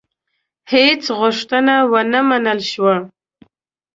هیڅ غوښتنه ونه منل شوه.